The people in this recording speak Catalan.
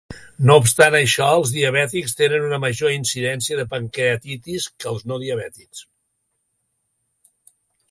No obstant això, els diabètics tenen una major incidència de pancreatitis que els no diabètics.